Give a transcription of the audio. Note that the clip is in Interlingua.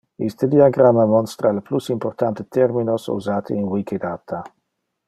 Iste diagramma monstra le plus importante terminos usate in Wikidata